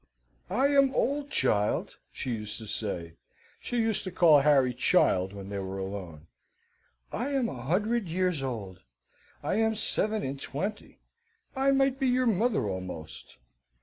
"I am old, child," she used to say. She used to call Harry "child" when they were alone. "I am a hundred years old. I am seven and twenty. I might be your mother almost."